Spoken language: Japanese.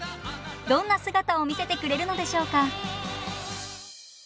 どんな姿を見せてくれるのでしょうか。